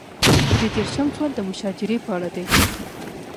درې دېرشم سوال د مشاجرې په اړه دی.